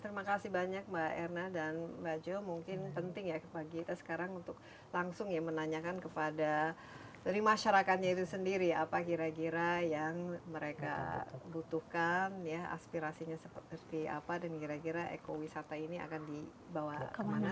terima kasih banyak mbak erna dan mbak joe mungkin penting ya bagi kita sekarang untuk langsung ya menanyakan kepada dari masyarakatnya itu sendiri apa kira kira yang mereka butuhkan ya aspirasinya seperti apa dan kira kira ekowisata ini akan dibawa kemana